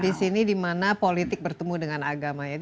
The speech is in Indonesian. di sini dimana politik bertemu dengan agama ya